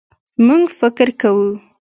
مونږ فکر کوو